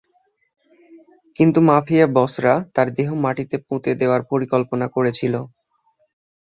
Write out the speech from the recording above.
কিন্তু মাফিয়া বসরা তার দেহ মাটিতে পুঁতে দেওয়ার পরিকল্পনা করছিল।